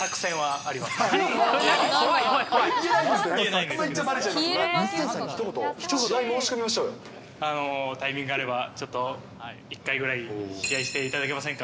あの、タイミングあれば、ちょっと１回ぐらい、試合していただけませんか？